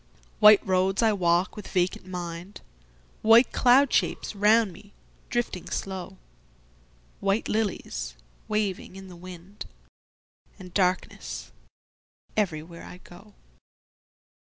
White roads I walk with vacant mind, White cloud shapes round me drifting slow, White lilies waving in the wind—And darkness everywhere I go.